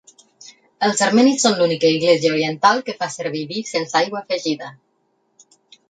Els armenis són l'única església oriental que fa servir vi sense aigua afegida.